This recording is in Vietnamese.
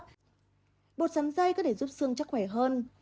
thứ ba bột sắn dây có thể giúp sương chắc khỏe hơn